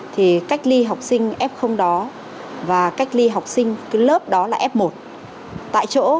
thì cách ly học sinh f đó và cách ly học sinh cái lớp đó là f một tại chỗ